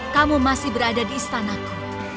kamu masih berada di istanaku